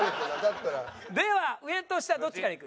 では上と下どっちからいく？